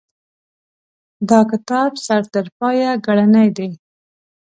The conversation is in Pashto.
دا کتاب سر ترپایه ګړنې دي.